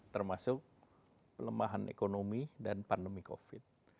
termasuk pelemahan ekonomi dan pandemi covid